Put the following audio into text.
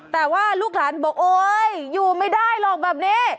แต่ว่าลูกหลานบอกโอ๊ยอยู่ไม่ได้หรอกแบบนี้